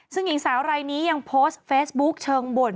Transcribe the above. ซึ่งหญิงสาวรายนี้ยังโพสต์เฟซบุ๊คเชิงบ่น